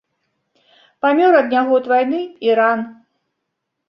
Памёр ад нягод вайны і ран.